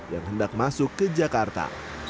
yang hendak masuk ke jakarta